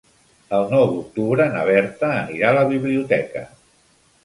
El nou d'octubre na Berta anirà a la biblioteca.